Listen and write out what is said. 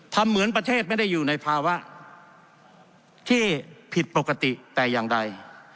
เหมือนประเทศไม่ได้อยู่ในภาวะที่ผิดปกติแต่อย่างใด